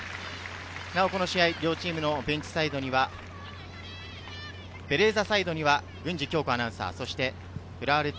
この試合、両チームのベンチサイドにはベレーザサイドに郡司恭子アナウンサー、浦和レッズ